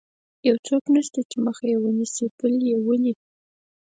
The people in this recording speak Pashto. یو څوک نشته چې مخه یې ونیسي، پل یې ولې.